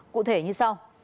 cụ thể như sau